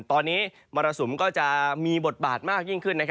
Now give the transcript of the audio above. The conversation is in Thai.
ตอนนี้มรสุมก็จะมีบทบาทมากยิ่งขึ้น